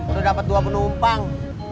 udah dapet dua penumpang